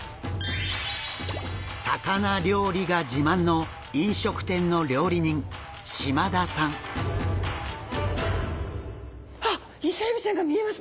魚料理が自慢の飲食店のあっイセエビちゃんが見えますね。